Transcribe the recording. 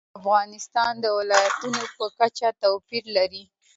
بادام د افغانستان د ولایاتو په کچه توپیر لري.